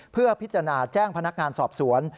เพื่อพิจารณาแจ้งพนักงานสอบสวน